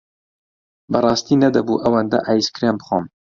بەڕاستی نەدەبوو ئەوەندە ئایسکرێم بخۆم.